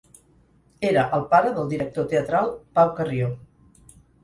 Era el pare del director teatral Pau Carrió.